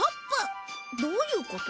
どういうこと？